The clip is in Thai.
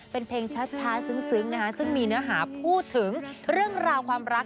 เป็นเพลงช้าซึ้งนะคะซึ่งมีเนื้อหาพูดถึงเรื่องราวความรัก